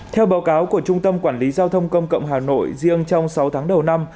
theo báo cáo của trung tâm quản lý giao thông công cộng hà nội riêng trong sáu tháng đầu năm